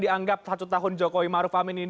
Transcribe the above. dianggap satu tahun jokowi maruf amin ini